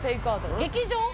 劇場？